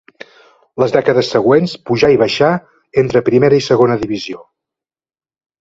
Les dècades següents pujà i baixà entre Primera i Segona divisió.